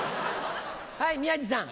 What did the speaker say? はい宮治さん。